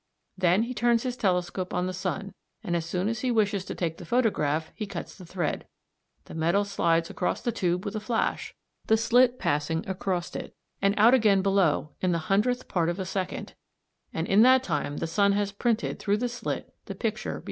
Then he turns his telescope on the sun, and as soon as he wishes to take the photograph he cuts the thread. The metal slides across the tube with a flash, the slit passing across it and out again below in the hundredth part of a second, and in that time the sun has printed through the slit the picture before you.